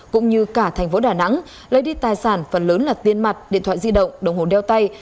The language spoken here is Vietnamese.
cũng như cả thành phố đà nẵng lấy đi tài sản phần lớn là tiên mặt điện thoại di động đồng hồn đeo tay